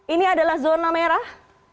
ini adalah zona merah